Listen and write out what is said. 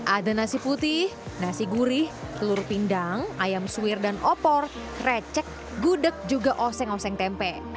ada nasi putih nasi gurih telur pindang ayam suwir dan opor recek gudeg juga oseng oseng tempe